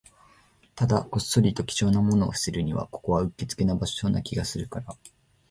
ただ、こっそりと貴重なものを捨てるには、ここはうってつけな場所な気がするから